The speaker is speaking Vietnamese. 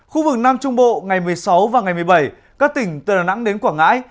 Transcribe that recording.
khu vực nam trung bộ ngày một mươi sáu và ngày một mươi bảy các tỉnh từ đà nẵng đến quảng ngãi